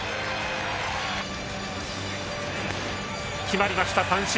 決まりました三振！